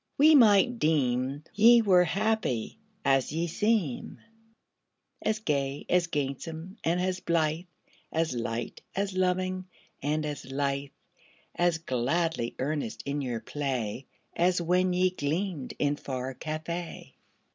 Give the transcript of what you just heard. we might deem Ye were happy as ye seem As gay, as gamesome, and as blithe, As light, as loving, and as lithe, As gladly earnest in your play, As when ye gleamed in far Cathay.